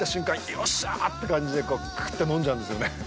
よっしゃーって感じでクーっと飲んじゃうんですよね。